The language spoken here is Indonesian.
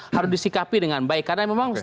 harus disikapi dengan baik karena memang